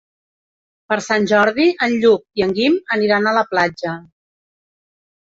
Per Sant Jordi en Lluc i en Guim aniran a la platja.